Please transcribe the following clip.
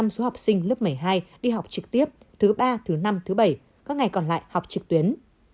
một mươi số học sinh lớp một mươi hai đi học trực tiếp thứ ba thứ năm thứ bảy các ngày còn lại học trực tuyến